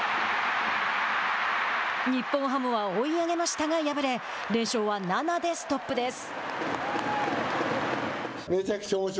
日本ハムは追い上げましたが敗れ連勝は７でストップです。